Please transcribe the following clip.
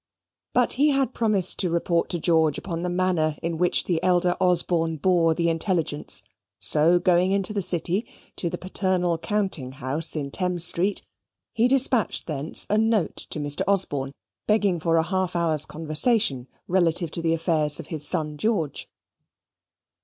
But he had promised to report to George upon the manner in which the elder Osborne bore the intelligence; so going into the City to the paternal counting house in Thames Street, he despatched thence a note to Mr. Osborne begging for a half hour's conversation relative to the affairs of his son George.